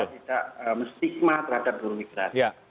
tidak bisa stigma terhadap buru migran